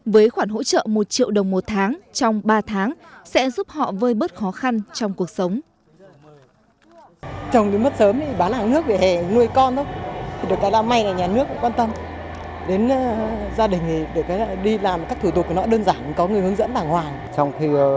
với khoản hỗ trợ một triệu đồng một tháng trong ba tháng sẽ giúp họ vơi bớt khó khăn trong cuộc sống